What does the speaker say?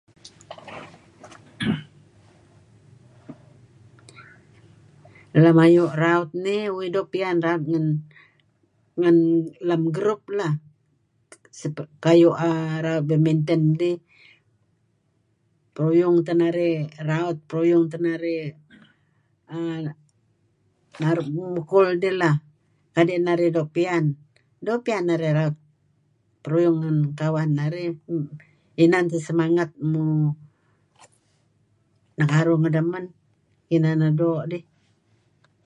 Lem ayu' raut nih uih doo' pian raut ngen... ngen lem group lah. [sepeh...] kayu' aah raut betminten dih. Pruyung teh narih raut, pruyung teh narih [ngg...] naru' memukul dih lah kadi' narih doo' pian. Doo' teh pian narih raut pruyung ngen kawan narih. Inan the semanget muh ... nekaruh ngedeh men. Ineh neh doo' dih.